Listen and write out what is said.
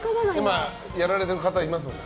今、やられてる方いますもんね。